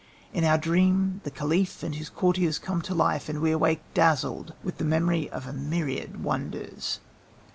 In our dream the caliph and his courtiers come to life, and we awake dazzled with the memory of a myriad wonders.